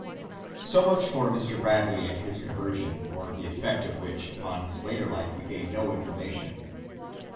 So much for Mr. Bradley and his conversion, of the effect of which upon his later life we gain no information.